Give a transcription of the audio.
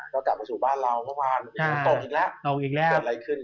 ก็กลับมาสู่บ้านเรามั่วหวานตกอีกแล้ว